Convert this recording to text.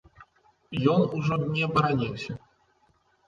Ён ужо не бараніўся.